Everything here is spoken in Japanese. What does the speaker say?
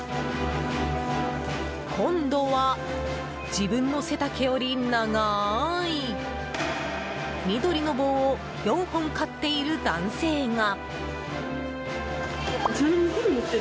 今度は、自分の背丈より長い緑の棒を４本買っている男性が。